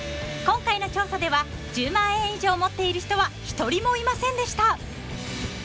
［今回の調査では１０万円以上持っている人は一人もいませんでした］